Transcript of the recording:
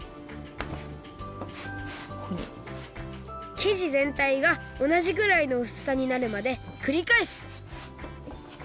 生地ぜんたいがおなじぐらいのうすさになるまでくりかえす